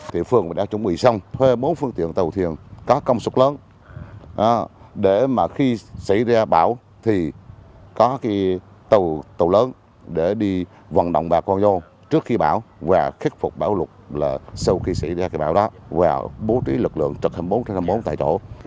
thị phường đã chuẩn bị xong thuê bốn phương tiện tàu thuyền có công sức lớn để mà khi xảy ra bão thì có cái tàu lớn để đi vận động bà con vô trước khi bão và khích phục bão lục là sau khi xảy ra cái bão đó